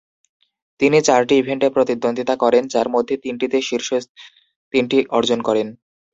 তিনি চারটি ইভেন্টে প্রতিদ্বন্দ্বিতা করেন, যার মধ্যে তিনটিতে শীর্ষ তিনটি অর্জন করেন।